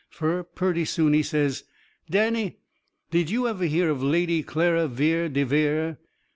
Fur purty soon he says: "Danny, did you ever hear of Lady Clara Vere de Vere?"